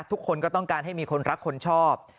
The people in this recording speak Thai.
ทุกคนก็ต้องการให้มีคนรักคนชอบ